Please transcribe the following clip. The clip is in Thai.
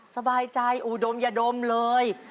สบายใจอุดมอย่าดมเลย